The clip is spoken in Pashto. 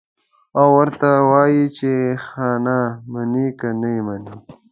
او ورته ووايي چې خانه منې که يې نه منې.